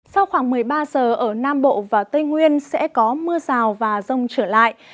sau khoảng một mươi ba giờ ở nam bộ và tây nguyên sẽ có mưa rào và rông trở lại